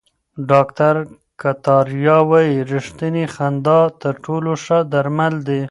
ډاکټر کتاریا وايي ریښتینې خندا تر ټولو ښه درمل دي.